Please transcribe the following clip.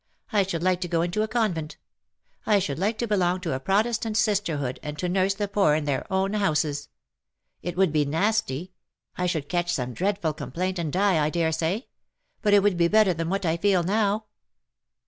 I should like to go into a convent. I should like to belong to a Protestant sisterhood, and to nurse the poor in their own houses. It would be nasty; I should catch some dreadful complaint, and die, I daresay; but it would be better than what I feel now.''